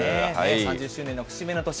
３０周年の節目の年。